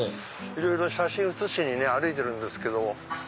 いろいろ写真写しに歩いてるんですけども。